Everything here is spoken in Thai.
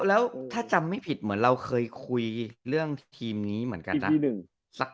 แล้วถ้าจำไม่ผิดเหมือนเราเคยคุยเรื่องทีมนี้เหมือนกันนะ